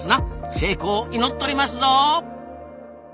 成功祈っとりますぞ！